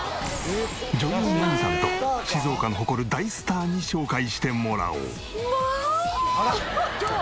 女優真実さんと静岡の誇る大スターに紹介してもらおう。